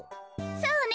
そうね。